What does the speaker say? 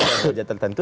dalam kerja tertentu